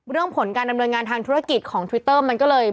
ผลการดำเนินงานทางธุรกิจของทวิตเตอร์มันก็เลย